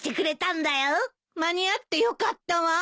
間に合ってよかったわ。